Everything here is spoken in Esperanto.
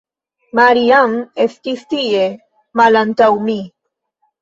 Maria-Ann estis tie, malantaŭ mi.